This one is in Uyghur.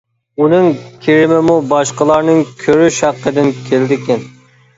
ئۇنىڭ كىرىمىمۇ باشقىلارنىڭ كۆرۈش ھەققىدىن كېلىدىكەن.